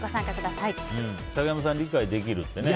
竹山さん、理解できるってね。